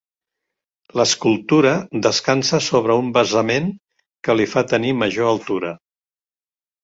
L'escultura descansa sobre un basament que li fa tenir major altura.